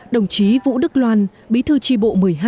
đồng chí vũ đức loan bí thư tri bộ một mươi hai